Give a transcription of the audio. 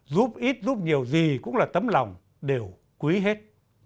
giúp ít giúp nhiều gì cũng là tấm lòng đều quý hết